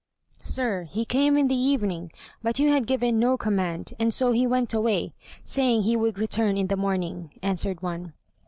"Sir, he came in the evening, but you had given no command, and so he went away, saying he would return in the morning," answered one.